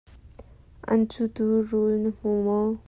An cutu rul na hmu maw?